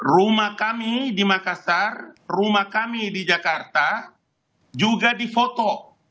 rumah kami di makassar rumah kami di jakarta juga difoto